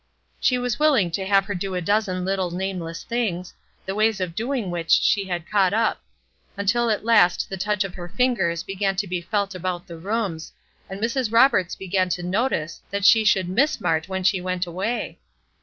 She was willing to have her do a dozen little nameless things, the ways of doing which she had caught up; until at last the touch of her fingers began to be felt about the rooms, and Mrs. Roberts began to notice that she should miss Mart when she went away.